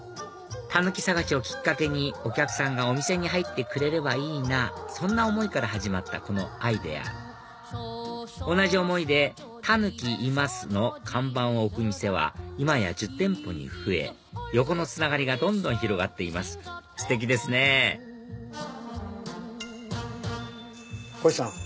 タヌキ探しをきっかけにお客さんがお店に入ってくれればいいなそんな思いから始まったこのアイデア同じ思いで「タヌキいます」の看板を置く店は今や１０店舗に増え横のつながりがどんどん広がっていますステキですねこひさん。